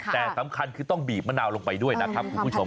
แต่สำคัญคือต้องบีบมะนาวลงไปด้วยนะครับคุณผู้ชม